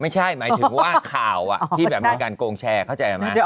หมายถึงว่าข่าวที่แบบมีการโกงแชร์เข้าใจไหม